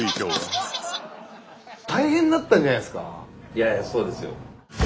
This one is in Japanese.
いやあそうですよ。